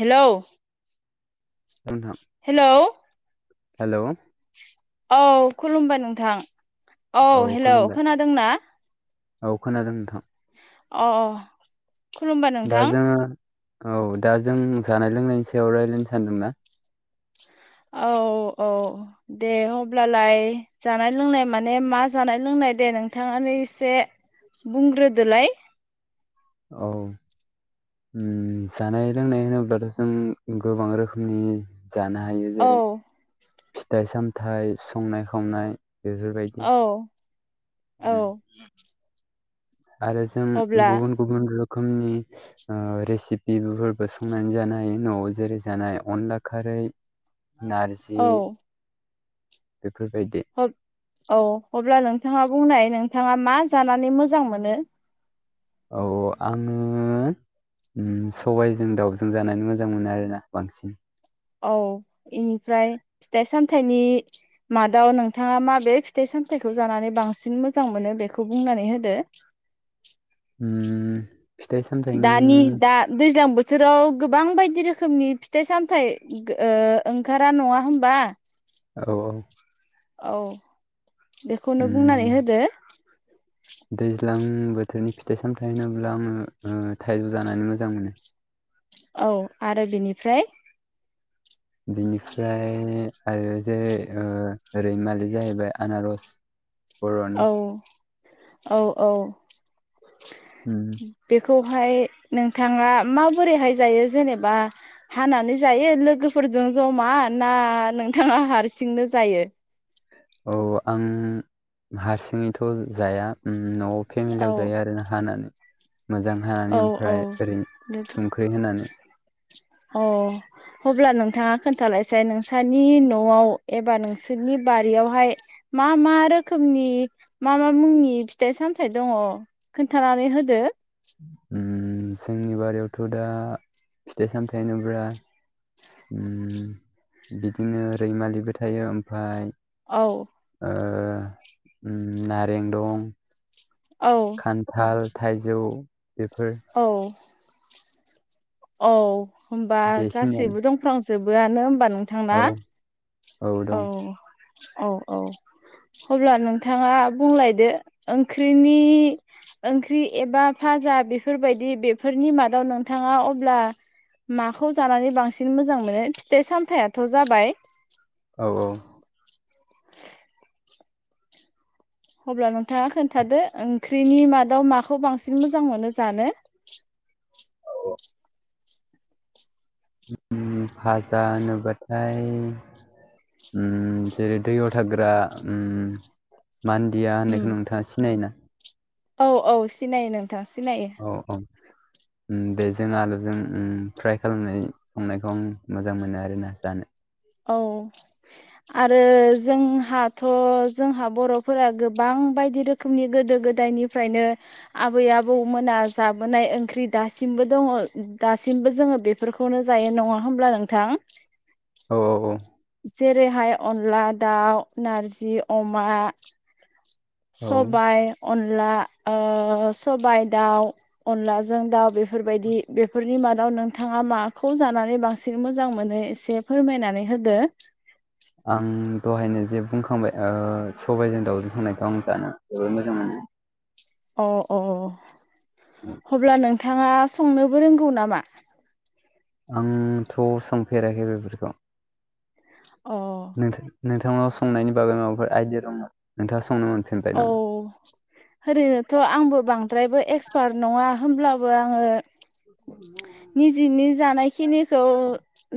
Hello नोंथां hello hello औ खुलुमबाय नोंथां। औ हेलौ खुलुमबाय खोनादोंना औ खोनादों नोंथां अ अ खुलुमबाय दा नोंथां जोङो औ दा जों जानाय लोंनायनि सायाव रायज्लायनो सानदों ना? औ औ दे अब्लालाय जानाय लोंनाय माने मा जानाय लोंनाय दे नोंथाङानो एसे बुंग्रोदोलाय। औ जानाय लोंनाय होनोब्लाथ' जों गोबां रोखोमनि जानो हायो औ जेरै फिथाइ सामथाइ संनाय खावनाय बेफोरबायदि औ औ आरो जों अब्ला गुबन गुबन रोखोमनि रेसिपिफोरबो संनानै जानाय न'आव जेरै जानाय अनला खारै नारजि औ बेफोरबायदि औ अब्ला नोंथाङा बुंनाय नोंथाङा मा जानानै मोजां मोनो। औ आङो सबाइजों दाउजों जानानै मोजां मोनो आरो ना बांसिन। औ इनिफ्राय फिथाइ सामथाइनि मादाव नोंथाङा मा बेे फिथाइ सामथाइखौ जानानै बांसिन मोजां मोनो बेखौ बुंनानै होदो। उम फिथाइ सामथाइनि दानि दा दैज्लां बोथ बोथोराव गोबां बायदि रोखोमनि फिथाइ सामथाइ ओ ओंखारा नङा होमबा? औ औ औ बेखौनो उम बुंनानै होदो। दैज्लां बोथोरनि फिथाइ सामथायाइ होनोब्ला आङो थाइजौ जानानै मोजां मोनो। औ आरो बेनिफ्राय बिनिफ्राय आरो जे ओरै मालि जाहैबाय आनारस [inaudible] औ औ औ उम बेखौहाय नोंथाङा माबोरैहाय जायो जेनेबा हानानै जायो लोगोफोरजों जमा ना नोंथाङा हारसिंनो जायो। औ आं हारसिङैथ' जाया न'आव औ फेमिलियाव जायो आर ना हानानै मोजां औ हानानै औ ओमफ्राय ओरैनो संख्रि होनानै औ। अब्ला नोंथाङा खोन्थालायसै नोंसोरनि न'आव एबा नोंसोरनि बारियावहाय मा मा रोखोमनि मा मा मुंनि फिथाइ सामथाइ दङ। खोन्थानानै होदो। उम जोंनि बारियावथ' दा फिथाइ सामथाइ होनोब्रा बिदिनो रैमालिबो थायो ओमफाय औ। नारें दं औ। खान्थाल थाइजौ बेफोर औ। औ होनोमबा बेखिनियानो गासैबो दंफ्लांजोबोआनो होनबा नों नथांबा औ औ औ औ। अब्ला नोंथाङा बुंलायदो ओंख्रिनि ओंख्रि एबा फाजा बेफोरबायदि बेफोरनि मादाव नोंथाङा अब्ला माखौ जानानै बांसिन मोजां मोनो फिथाइ सामथायाइथ' जाबाय औ औ। अब्ला नोंथाङा खोन्थादो ओंख्रिनि मादाव माखौ बांसिन मोजां मोनो जानो। औ। फाजा नुब्लाथाय जेरै दैयाव थाग्रा मान्दिया होननायखौ नोंथाङा सिनाय ना। औ औ सिनायो नोंथाङ सिनायो। औ औ। बेजों आलुजों फ्राय खालामनाय संनायखौ आं मोजां मोनो आरोना जानो। औ। आरो जोंहाथ' जोंहा बर'फोरा गोबां बायदि रोखोम। रोखोमनि गोदो गोदायनिफ्रायनो। आबै आबौ मोना जाबोनाय ओंख्रि दासिमबो दङ दासिमबो जोङो बे। बेफोरखौनो जायो नङा होमब्ला नोंथां। औ औ औ। जेरैहाय अनला दाउ नारजि अमा। औ सबायाइ अनला सबायाइ दाउ अनलाजों दाउ बेफोर। बेफोरबायदि बेफोरनि मादाव नोंथाङा मा। खौ जानानै बांसिन मोजां मोनो एसे फोरमायनानै होदो। आं दहायनो जे बुंखांबाय सबायजों दाउजों संनायखौ आं जानो जोबोद मोजां मोनो। अ अ अब्ला नोंथाङा संनोबो रोंगौ नामा। आंथ' सोंफेराखै बेफोरखौ। अ। [inaudible] नोंथांनाव संनायनि बागै माबाफोर आइदिया दङ। नोंथाङ सनोफिनोन औ। ओरैनोथ' आंबो बांद्रायबो एक्सपार्ट नङा होनब्लाबो आङो। निजेनि जानायखिनिखौ।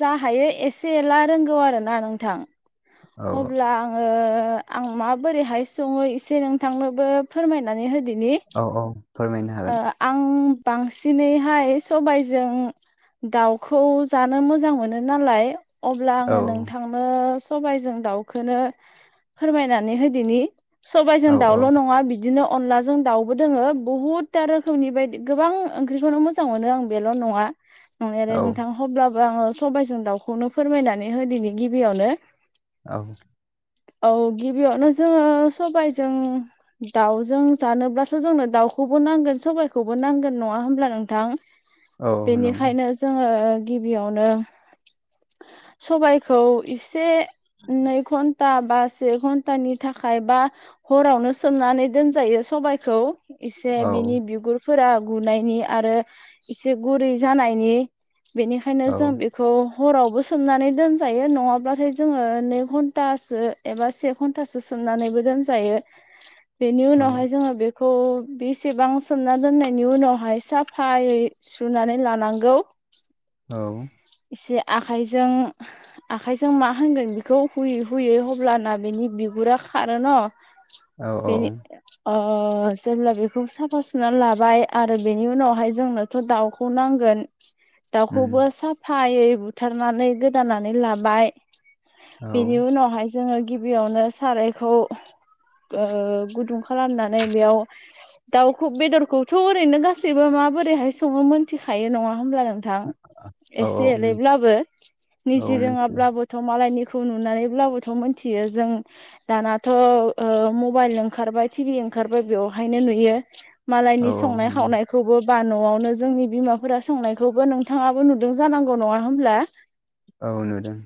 जा हायो एसे एला रोंगौ आरोोना नोंथां औ अब्ला। आं माबोरैहाय सङो एसे नोंथांनोबो फोरमायनानै होदोनि। औ औ फोरमायनो हागोन। आं बांसिनैहाय सबायजों। दाउखौ जानो मोजां मोनो नालाय अब्ला औ आङो नोंथां। सबायजों दाउखौनो फोरमायनानै होदनि सबायाइजों औ औ दाउल' नङा बिदिनो अनलाजों दाउबो दोङो बुहुद था रोखोमनि बायदि गोबां ओंख्रिखौनो मोजां मोनो आं बेल' नङा नंनायालाय आरो औ नोंथां अब्लाबो आङो सबाइजों दाउखौनो फोरमायनानै हो दिै गिबियावनो। औ। औ गिबियावनो जोङो सबायजों। दाउजों जानोब्लासो जोंनो दाउखौ नांगोन सबायखौबो नांगोन नङा होनब्ला नोंथां औ नंगौ बेनिखायनो जोङो गिबियावनो सबायखौ एसे नै घन्टा बा से घन्टा नि थाखायाय बा हरावनो सोमनानै दोनजायो सबाइखौ इसे से औ बिनि बिगुरफोरा गुनायनि आरो इसे गुरै जानायनि बेनिखायनो औ जों बेख खौ हरावबो सोमनानै दोनजायो नङाब्लाथाय जोङो नै घन्टासो एबा से घन्टासो सोमनानैबो दोनजायो [inaudible] बेनि औ उनावहाय जोङो बेखौ बेसेबां सोमना दोननायनि उनावहाय साफायै सुनानै लानांगौ औ इसे आखाइजों आखाइजों मा होनगोन बिखौ हुयै हुयै हब्लाना बेनि बिगुरा खारो न' [inaudible] बे ओ जेब्ला बेखौ साफा सुनानै लाबाय आरो बेनि उनावहाय जोंनोथ' दाउखौ नांगोन उम दाउखौबो साफायै बुथारनानै गोदानानै लाबाय औ बेनि उनावहाय जोङो गिबियावनो सारायखौ ओ गुदुं खालामनानै बेयाव दाउखौ बेदरखौथ' ओरैनो गासैबो माबोरैहाय सङो मोनथिखायो नङा होमब्ला नों थां औ एसे औ मोन- एलैब्लाबो औ निजि मिथिगौ रोङाब्लाबो थ' मालायनिखौ नुनानैब्लाबोथ' मिथियो जों दानाथ ओ ' मबाइल ओंखारबाय टिभि ओंखारबाय बेयाव नुयो औ मालायनि औ संनाय नंगौ। खावनाय खौबो बा न'आवनो जोंनि बिमाफोरा संनायखौबो नोंथाङाबो नुदों जानांगौ नङा होमब्ला औ नुदों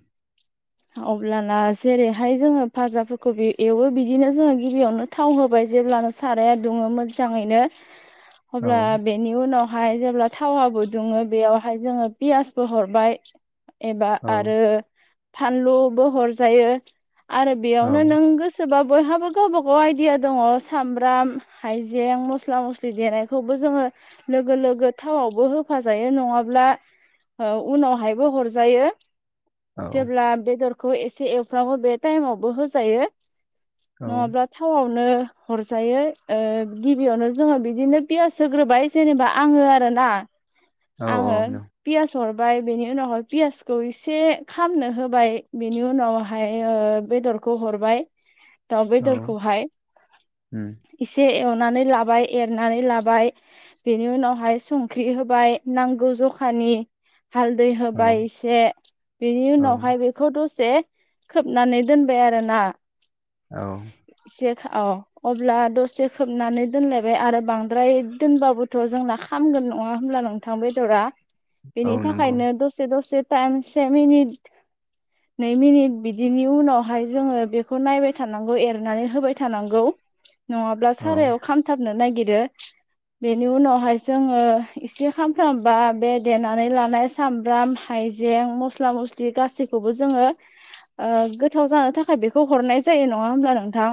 अब्लाना जेरैहाय जोङो फाजाफोरखौ एवो बिदिनो जोङो गिबियावनो थाव होबाय जेब्लानो साराया दुङो मोजाङैनो [inaudible] होब्ला बे बेनि उनावहाय जेब्ला थावाबो दुङो बेयावहाय जोङो पियासबो हरबाय एबा औ आरो फानलुबो हरजायो आरो औ बेयावनो नों गोसो सोरबा बयहाबो गावबा गाव आइडिया दङ सामब्राम हाइजें मस्ला मस्लि देनायखौबो जोङो लोगो लोगो थावआवबो होफाजायो नङाब्ला औ उनावहायबो हरजायो औ जेब्ला बेदरखौ एसे एवफ्रावो बे टाइमावबो होजायो औ नङाब्ला थावआवनो हरजायो ओ गिबियावनो जोंङो बिदिनो पियास होग्रोबाय जेनेबा आङो आरो ना औ आङो पियास हरबाय बेनि उनावहाय पियासखौ एसे खामनो होबाय बेनि उनावहाय बेदरखौ हरबाय दाउ बेदरखौहाय उम एसे एवनानै लाबाय एरनानै लाबाय। बेनि उनावहाय संख्रि होबाय नांगौ जखानि हालदै औ होबाय एसे बेनि औ उनावहाय बेखौ दसे खोबनानै दोनबाय आरोना। औ इसे अ अब्ला दसे खोबनानै दोनलायबाय आरो बांद्राय दोनबाबोथ' जोंना खामगोन नङा होमब्ला नों गोथां बेदरा औ बेनि नंगौ थाखायनो दसे दसे टाइम से मिनिट [inaudible] नै मिनिट बिदिनि उनावहाय जोङो बेखौ नायबाय थानांगौ एरनानै होबाय थानांगौ। [inaudible] नङाब्ला औ सारायाव खामथाबनो नागिरो। बेनि उनावहाय जोङो एसे खामफ्रामबा बे देनानै लानाय। सामब्राम हाइजें मस्ला मस्लि गासैखौबो जोङो। ओ गोथाव जानो थाखाय बेखौ हरनाय जायो नङा होमब्ला नोंथां।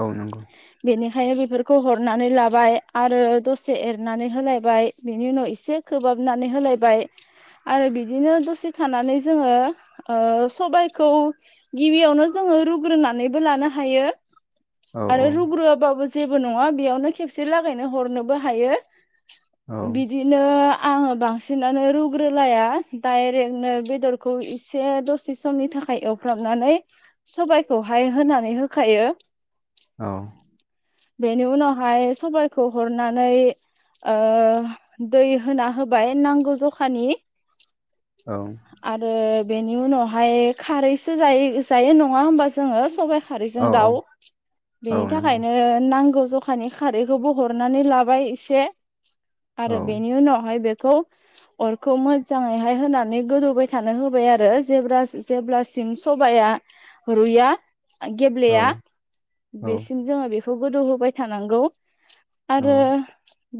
औ नंगौ। बेनिखायनो बेफोरखौ हरनानै लाबाय आरो दसे एरनानै होलायबाय बेनि उनाव एसे खोबहाबनानै होलायबाय आरो बिदिनो दसे थानानै जोङो ओ सबायखौ गिबियावनो जोङो रुग्रोनानैबो लानो हायो। औ औ आरो रुग्रोआबाबो जों जेबो नङा बेयावनो खेबसे लागायनो हरनोबो हायो औ बिदि बिदिनो आङो बांसिनानो रुग्रोलाया दाइ जोंनो बेदरखौ इसे दसे समनि थाखाय एवफ्राबनानै सबाइखौहाय होनानै होखायो। औ। बेनि उनावहाय सबाइखौ हरनानै ओ दै होना होबाय नांगौ जखानि। औ। आरो बेनि उनावहाय खारैसो जायो जायो नङा होमबा जोङो? सबाइ औ खारैजों दाउ। औ बेनि नंगौ थाखायनो नांगौ जखा नि खारैखौबो हरनानै लाबाय एसे। औ आरो बेनि उनावहाय बेखौ अरखौ मोजाङैहाय होना नै गोदौबाय थानो होबाय आरो जेब्लासिम सबाया रुया। औ गेब्लेया औ बेसिम जोङो बेखौ गोदौ होबाय थानांगौ। औ आरो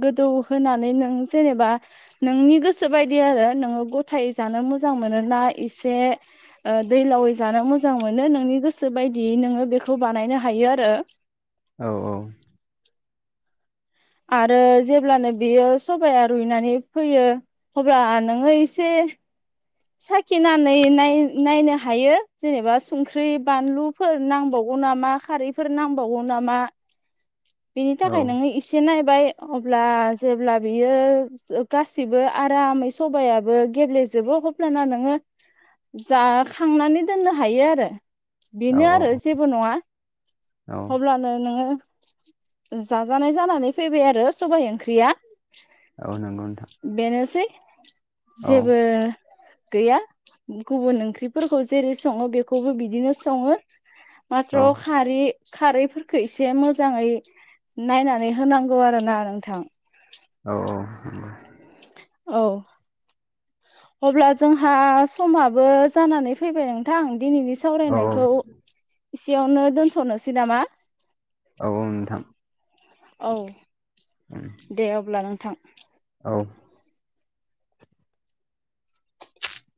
गोदौ होनानै नों जेनेबा नोंनि गोसो बायदि आरो नोङो गथ थायै जानो मोजां मोनोना एसे दैलावै जानो मोजां मोनो नोंनि गोसो बायदियै नोङो बेखौ बानायनो हायो आरो। औ औ। आरो जेब्लानो बियो सबाया रुइनानै फैयो। अब्ला नोङो एसे साखिनानै नाय नायनो हायो जेनेबा संख्रि, बानलु फोर नांबावगौ नामा खारैफोर नांबावगौ नामा। [inaudible] बेनि थाखाय नोङो इसे नायबाय अब्ला जेब्ला बियो गासिबो आरामै सबायाबो गेब्लेजोबो अब्लाना नोङो जाखांनानै दोननो हायो आरो। औ बेनो आरो जेबो नङा। अब्लानो नोङो जाजानाय जानानै फैबाय आरो सबाइ ओंख्रिया। औ नंगौ नोंथां। बेनोसै औ जेबो गैया गुबुन ओंख्रिफोरखौ जेरै सङो बेखौबो बिदिनो सङो। औ [unintelligible] रि खारैफोरखौ एसे मोजाङै नायनानै होनांगौ आरो ना नोंथां। औ औ। औ। अब्ला जोंहा समाबो जानानै फैबाय नोंथां दिनैनि औ सावरायनायखौ एसेयावनो दोनथ'नोसै नामा? औ औ नोंथां। औ। ओम। दे अब्ला नोंथां। औ। [unintelligible]